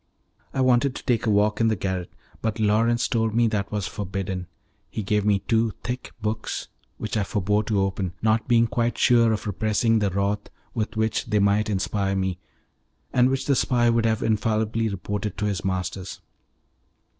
I wanted to take a walk in the garret, but Lawrence told me that was forbidden. He gave me two thick books which I forbore to open, not being quite sure of repressing the wrath with which they might inspire me, and which the spy would have infallibly reported to his masters.